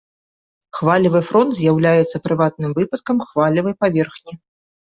Хвалевы фронт з'яўляецца прыватным выпадкам хвалевай паверхні.